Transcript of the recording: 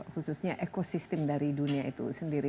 khususnya ekosistem dari dunia itu sendiri